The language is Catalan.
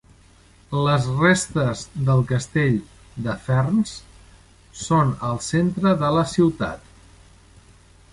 Les restes del castell de Ferns són al centre de la ciutat.